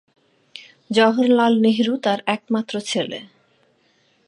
জওহরলাল নেহরু তার একমাত্র ছেলে।